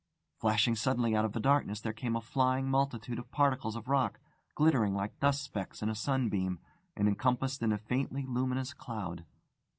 Flashing suddenly out of the darkness there came a flying multitude of particles of rock, glittering like dust specks in a sunbeam, and encompassed in a faintly luminous cloud.